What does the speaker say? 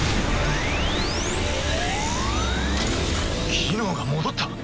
機能が戻った？